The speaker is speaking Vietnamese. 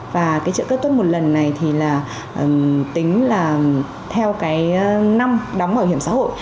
và cái trợ cấp tốt một lần này thì là tính là theo cái năm đóng bảo hiểm xã hội